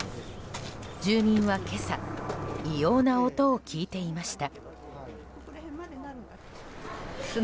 住民は今朝異様な音を聞いていました。